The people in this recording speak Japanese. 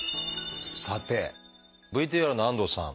さてＶＴＲの安藤さん。